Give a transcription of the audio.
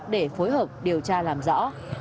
để phối hợp điều tra làm rõ